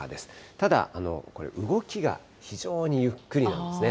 ただ、これ、動きが非常にゆっくりなんですね。